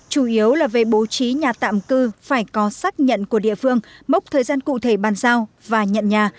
chủ yếu là về bố trí nhà tạm cư phải có xác nhận của địa phương mốc thời gian cụ thể bàn giao và nhận nhà